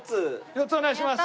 ４つお願いします。